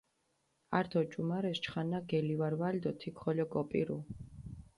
ართ ოჭუმარეს, ჩხანაქ გელივარვალჷ დო თიქ ხოლო გოპირუ.